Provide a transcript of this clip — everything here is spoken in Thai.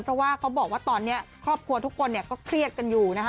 เพราะว่าเขาบอกว่าตอนนี้ครอบครัวทุกคนเนี่ยก็เครียดกันอยู่นะคะ